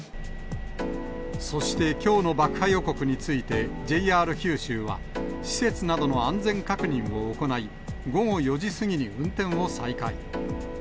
そしてきょうの爆破予告について、ＪＲ九州は、施設などの安全確認を行い、午後４時過ぎに運転を再開。